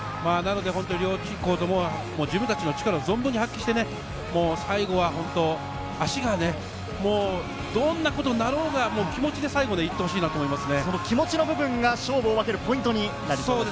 両校とも自分たちの力を存分に発揮して、最後は足がどんなことになろうが、気持ちで最後、行ってほしいと思気持ちの部分が勝負を分けるポイントに。